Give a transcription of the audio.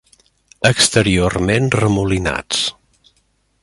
Exteriorment remolinats.